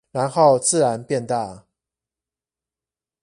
然後自然變大